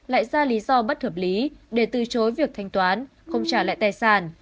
lại ra lý do bất hợp lý để từ chối việc thanh toán không trả lại tài sản